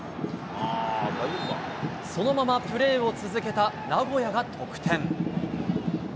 そのままプレーを続けた名古屋が得点。